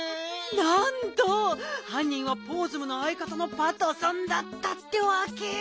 なんとはんにんはポーズムのあいかたのパトソンだったってわけ。